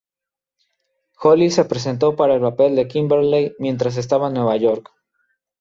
Holly se presentó para el papel de "Kimberley" mientras estaba en Nueva York.